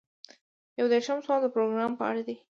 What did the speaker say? یو دېرشم سوال د پروګرام په اړه دی.